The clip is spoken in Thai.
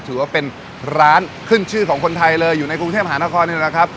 ถือว่าเป็นร้านขึ้นชื่อของคนไทยเลยอยู่ในกรุงเทพหานครนี่แหละครับ